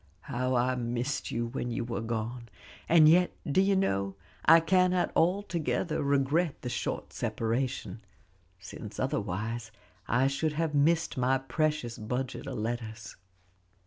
"How I missed you when you were gone! and yet, do you know, I cannot altogether regret the short separation, since otherwise I should have missed my precious budget of letters."